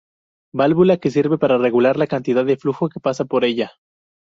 Válvula que sirve para regular la cantidad de flujo que pasa por ella.